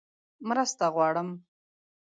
_مرسته غواړم!